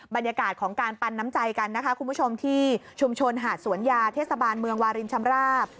บรรยากาศของการปันน้ำใจกันนะคะคุณผู้ชมที่ชุมชนหาดสวนยาเทศบาลเมืองวารินชำราบ